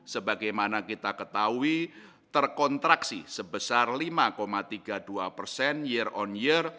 sebagaimana kita ketahui terkontraksi sebesar lima tiga puluh dua persen year on year